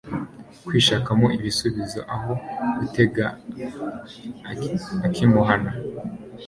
kwishakamo ibisubizo aho gutega ak' imuhana